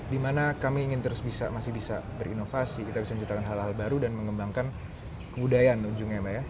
dimana kami ingin terus bisa masih bisa berinovasi kita bisa menciptakan hal hal baru dan mengembangkan kebudayaan ujungnya mbak ya